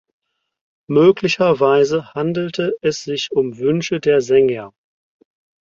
Möglicherweise handelte es sich um Wünsche der Sänger.